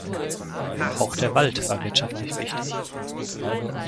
Auch der Wald war wirtschaftlich wichtig.